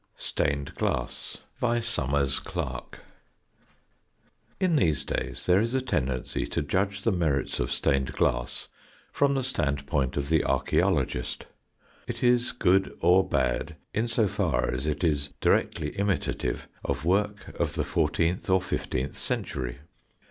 STAINED GLASS In these days there is a tendency to judge the merits of stained glass from the standpoint of the archæologist. It is good or bad in so far as it is directly imitative of work of the fourteenth or fifteenth century.